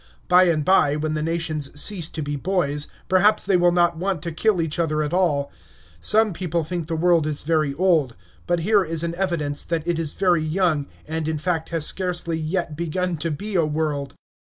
By and by, when the nations cease to be boys, perhaps they will not want to kill each other at all. Some people think the world is very old; but here is an evidence that it is very young, and, in fact, has scarcely yet begun to be a world.